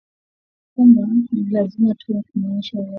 kwamba ni lazima tuwe pamoja kumuonesha Rais wa Urusi